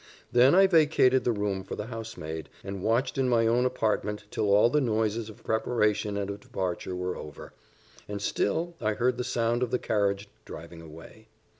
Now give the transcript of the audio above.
Then I vacated the room for the housemaid, and watched in my own apartment till all the noises of preparation and of departure were over; and till I heard the sound of the carriage driving away.